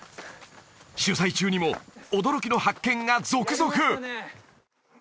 取材中にも驚きの発見が続々！